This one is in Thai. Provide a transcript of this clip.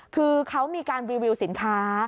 คือเขามีการรีวิวสินค้า